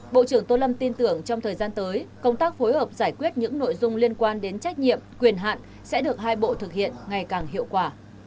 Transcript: bộ trưởng tô lâm tin tưởng trong thời gian tới công tác phối hợp giải quyết những nội dung liên quan đến trách nhiệm quyền hạn sẽ được hai bộ thực hiện ngày càng hiệu quả